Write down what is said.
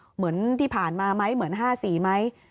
เหมือนที่ผ่านมาไหมเหมือน๕๔ไหม